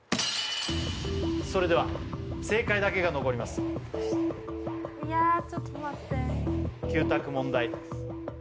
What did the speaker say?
それでは正解だけが残ります・いやちょっと待って９択問題